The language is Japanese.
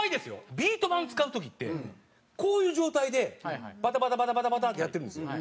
ビート板使う時ってこういう状態でバタバタバタバタってやってるんですよ。